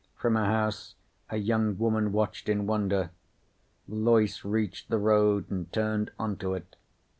From a house a young woman watched in wonder. Loyce reached the road and turned onto it.